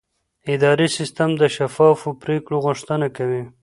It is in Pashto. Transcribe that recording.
اداري سیستم د شفافو پریکړو غوښتنه کوي.